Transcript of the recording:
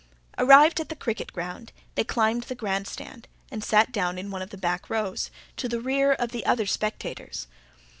Arrived at the cricket ground, they climbed the Grand Stand and sat down in one of the back rows, to the rear of the other spectators.